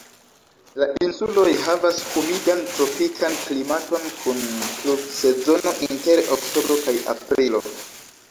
La insuloj havas humidan tropikan klimaton kun pluvsezono inter oktobro kaj aprilo.